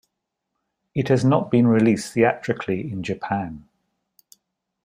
It has not been released theatrically in Japan.